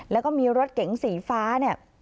แล้วก็มีรถเก๋งสีฟ้าเนี่ย